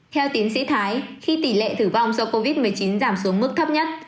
theo tiến sĩ thái khi tỷ lệ tử vong do covid một mươi chín giảm xuống mức thấp nhất